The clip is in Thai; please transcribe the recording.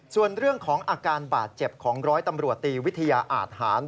ส่วนเรื่องของอาการบาดเจ็บของร้อยตำรวจตีวิทยาอาทหาร